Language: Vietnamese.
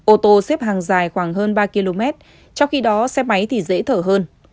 ô tô xếp hàng dài khoảng hơn ba km trong khi đó xe máy thì dễ thở hơn